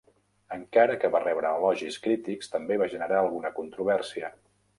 Encara que va rebre elogis crítics, també va generar alguna controvèrsia.